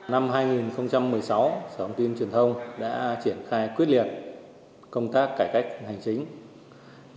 năm hai nghìn một mươi sáu sở thông tin truyền thông đã triển khai quyết liệt công tác cải cách hành chính